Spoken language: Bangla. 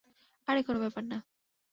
আরে কোন ব্যাপার না।